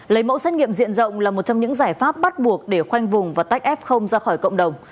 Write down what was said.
lấy mẫu xét nghiệm diện rộng là một trong những giải pháp bắt buộc để khoanh vùng và tách f ra khỏi cộng đồng